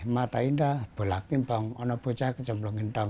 mata indah bola pimpong ono bocah kejemplung gendong